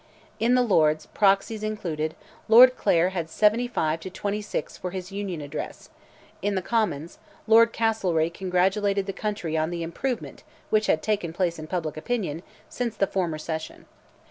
In the Lords, proxies included, Lord Clare had 75 to 26 for his Union address: in the Commons, Lord Castlereagh congratulated the country on the improvement which had taken place in public opinion, since the former session.